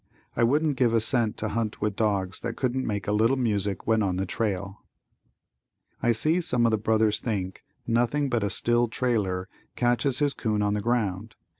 I wouldn't give a cent to hunt with dogs that couldn't make a little music when on the trail. I see some of the brothers think nothing but a still trailer catches his 'coon on the ground.